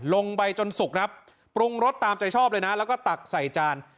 ลงไปจนสุกครับปรุงรสตามใจชอบเลยนะแล้วก็ตักใส่จาน